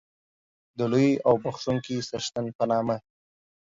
د لوی او بخښونکی څښتن په نامه